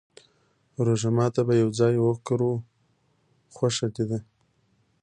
روژه ماته به يو ځای وکرو، خوښه دې ده؟